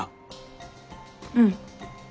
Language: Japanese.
うん。